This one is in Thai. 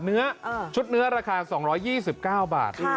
เนื้อชุดเนื้อราคา๒๒๙บาท